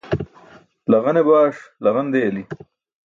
Laġane baṣ laġan deyali.